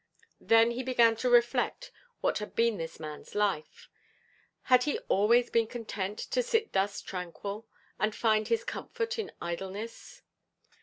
Then he began to reflect what had been this man's life; had he always been content to sit thus tranquil, and find his comfort in idleness?